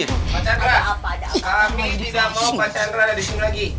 pak chandra kami tidak mau pak chandra disini lagi